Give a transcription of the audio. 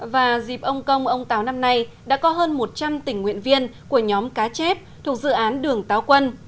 và dịp ông công ông táo năm nay đã có hơn một trăm linh tình nguyện viên của nhóm cá chép thuộc dự án đường táo quân